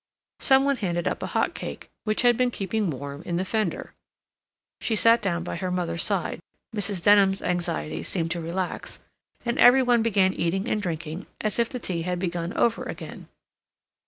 Some one handed up a hot cake, which had been keeping warm in the fender; she sat down by her mother's side, Mrs. Denham's anxieties seemed to relax, and every one began eating and drinking, as if tea had begun over again.